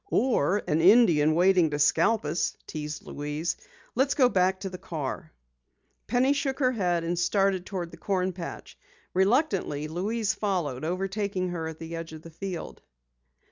"Or an Indian waiting to scalp us," teased Louise. "Let's go back to the car." Penny shook her head and started toward the corn patch. Reluctantly, Louise followed, overtaking her at the edge of the field.